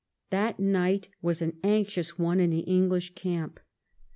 That night was an anxious one in the English camp.